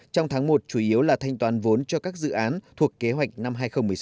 trong tháng một chủ yếu là thanh toán vốn cho các dự án thuộc kế hoạch năm hai nghìn một mươi sáu